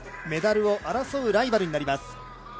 メダルを争うライバルになります。